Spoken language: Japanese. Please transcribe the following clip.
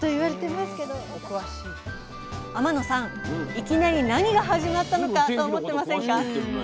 いきなり何が始まったのかと思ってませんか？